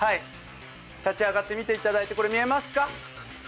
立ち上がって見ていただいてこれ見えますか？